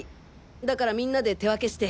だからみんなで手分けして。